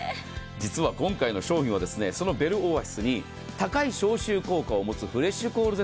今回の商品はベルオアシスに高い消臭効果のフレッシュコールＺ